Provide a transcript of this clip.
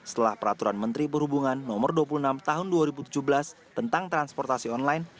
setelah peraturan menteri perhubungan no dua puluh enam tahun dua ribu tujuh belas tentang transportasi online